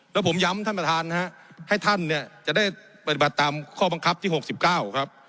แล้วผมย้ำท่านประธานนะฮะให้ท่านเนี่ยจะได้ปฏิบัติตามข้อบังคับที่๖๙ครับ